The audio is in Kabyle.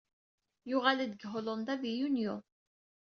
YuƔal-d seg Hulunda di yunyu.